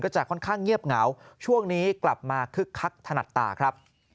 จะค่อนข้างเงียบเหงาช่วงนี้กลับมาคึกคักถนัดตาครับ